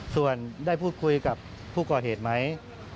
ส่วนได้พูดคุยกับผู้ก่อเหตุไหม